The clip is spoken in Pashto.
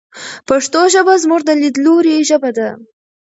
پښتو ژبه زموږ د لیدلوري ژبه ده.